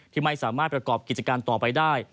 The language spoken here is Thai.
ที่ไม่สามารถประกอบกิจการต่อไปได้